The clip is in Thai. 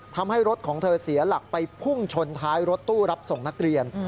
ทำให้รถของเธอเสียหลักไปพุ่งชนท้ายรถตู้รับส่งนักเรียน